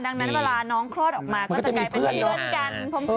ดังนั้นเวลาน้องเคราะห์ออกมาก็จะเป็นเพื่อนร่วมกัน